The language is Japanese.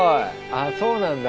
あっそうなんだ。